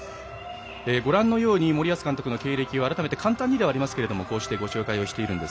森保監督の経歴を改めて簡単にではありますがこうしてご紹介をしています。